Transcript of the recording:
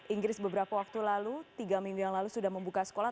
inggris beberapa waktu lalu tiga minggu yang lalu sudah membuka sekolah